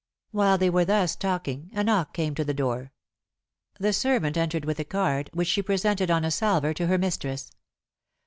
While they were thus talking a knock came to the door. The servant entered with a card, which she presented on a salver to her mistress.